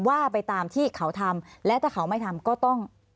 ว่าไปตามที่เขาทำและถ้าเขาไม่ทำก็ต้อง